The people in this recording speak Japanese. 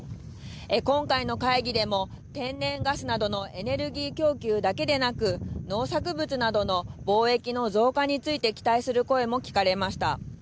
今回の会議でも天然ガスなどのエネルギー供給だけでなく農作物などの貿易の増加について期待する声も聞かれました。